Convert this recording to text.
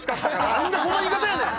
何でこの言い方やねん！